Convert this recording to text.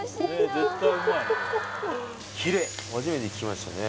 初めて聞きましたね・